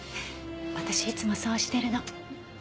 私いつもそうしてるの。